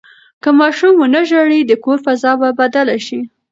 که ماشوم ونه ژاړي، د کور فضا به بدله شي.